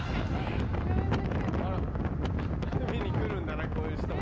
あら見に来るんだなこういう人も。